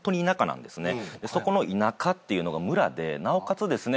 そこの田舎っていうのが村でなおかつですね